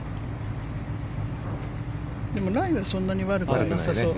でもライはそんなに悪くなさそう。